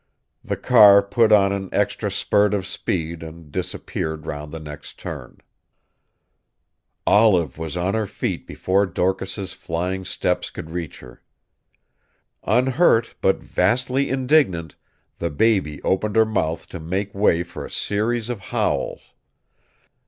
The car put on an extra spurt of speed and disappeared round the next turn. Olive was on her feet before Dorcas's flying steps could reach her. Unhurt but vastly indignant, the baby opened her mouth to make way for a series of howls.